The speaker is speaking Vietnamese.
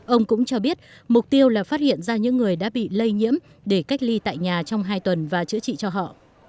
ông cũng cho biết mục tiêu là phát hiện ra những người đã bị lây nhiễm để cách ly tại nhà trong hai tuần và chữa trị cho họ